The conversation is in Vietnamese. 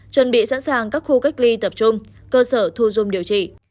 chuẩn bị sẵn sàng các khu cách ly tập trung cơ sở thu dung điều trị